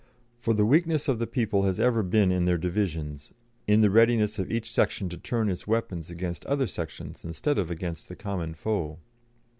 For the weakness of the people has ever been in their divisions, in the readiness of each section to turn its weapons against other sections instead of against the common foe.